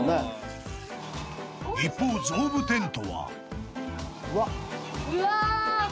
［一方ゾーブテントは］うわ。